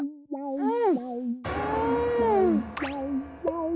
うん。